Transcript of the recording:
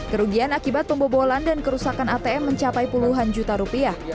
kerugian akibat pembobolan dan kerusakan atm mencapai puluhan juta rupiah